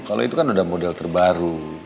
kalau itu kan ada model terbaru